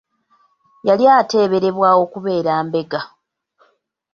Yali ateeberebwa okubeera mbega.